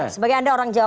sebagai anda orang jawa